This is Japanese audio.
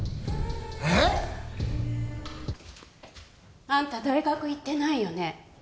ええっ！？あんた大学行ってないよね。